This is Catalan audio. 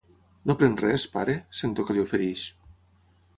No pren res, pare? —sento que li ofereix.